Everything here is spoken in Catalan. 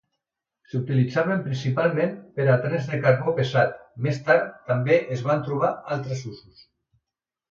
S'utilitzaven principalment per a trens de carbó pesat, més tard també es van trobar altres usos.